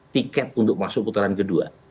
tiket untuk masuk putaran kedua